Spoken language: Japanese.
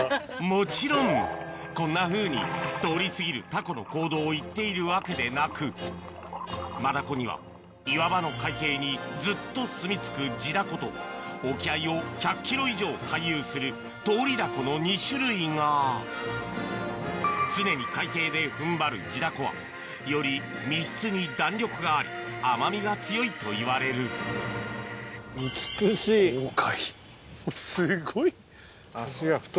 もちろんこんなふうに通り過ぎるタコの行動を言っているわけでなくマダコには岩場の海底にずっとすみ着く地ダコと沖合を１００ｋｍ以上回遊する通りダコの２種類が常に海底で踏ん張る地ダコはより身質に弾力があり甘みが強いといわれるすごい。